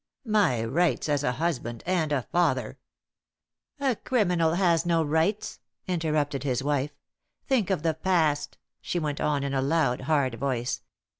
"My rights as a husband and a father " "A criminal has no rights," interrupted his wife. "Think of the past," she went on in a loud, hard voice.